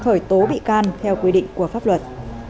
khởi tố bị can theo quy định của pháp luật